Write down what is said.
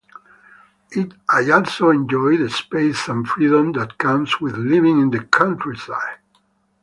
I also enjoy the space and freedom that comes with living in the countryside.